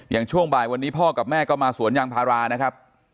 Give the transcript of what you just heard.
ช่วงบ่ายวันนี้พ่อกับแม่ก็มาสวนยางพารานะครับ